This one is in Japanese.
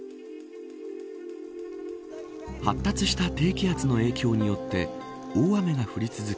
発達した低気圧の影響によって大雨が降り続く